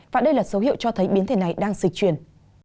và đây là số hiệu cho thấy biến thể này đang sự truyền